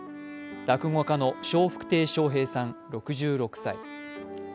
落語家の笑福亭笑瓶さん６６歳。